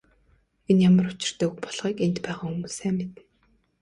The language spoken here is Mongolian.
Энэ ямар учиртай үг болохыг энд байгаа хүмүүс сайн мэднэ.